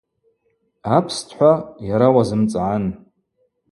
Апстхӏва – йара уазымцӏгӏан.